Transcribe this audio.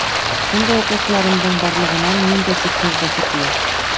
Шундай уҡыусыларымдың барлығынан мин дә сикһеҙ бәхетле!